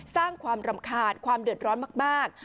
สร้างความรำคาญความเดือดร้อนมาก